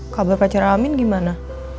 kabar pacaran amin gimana